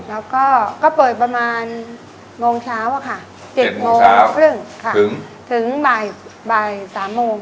แล้วก็ก็เปิดประมาณโมงเช้าอะค่ะเจ็ดโมงเช้าครึ่งถึงถึงบ่ายบ่ายสามโมง